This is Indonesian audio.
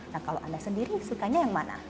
nah kalau anda sendiri sukanya yang mana